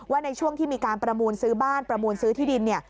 ในช่วงที่มีการประมูลซื้อบ้านประมูลซื้อที่ดินเนี่ย